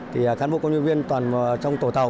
thì cán bộ công nhân viên toàn trong tổ tàu